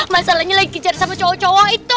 masalahnya lagi cari sama cowok cowok itu